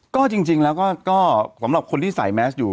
ก็จริงแล้วก็สำหรับคนที่ใส่แมสอยู่